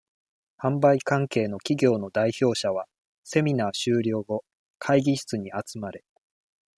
販売関係の企業の代表者は、セミナー終了後、会議室に集まれ。